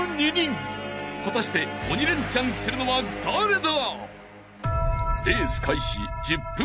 ［果たして鬼レンチャンするのは誰だ！？］